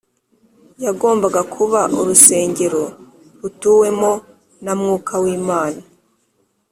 Yagombaga kuba urusengero rutuwemo na Mwuka w’Imana